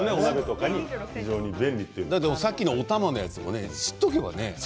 さっきの、おたまのやつも知っておけばね